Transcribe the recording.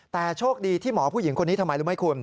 แต่โชคดีที่หมอผู้หญิงคนนี้ทำไมรู้ไหมคุณ